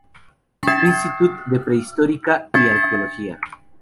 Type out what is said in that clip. Institut de prehistórica i arqueología.